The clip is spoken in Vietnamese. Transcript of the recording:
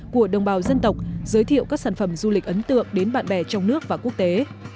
của đồng bào dân tộc giới thiệu các sản phẩm du lịch ấn tượng đến bạn bè trong nước và quốc tế